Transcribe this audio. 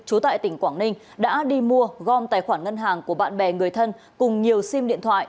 chú tại tỉnh quảng ninh đã đi mua gom tài khoản ngân hàng của bạn bè người thân cùng nhiều sim điện thoại